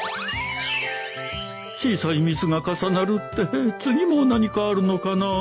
小さいミスが重なるって次も何かあるのかな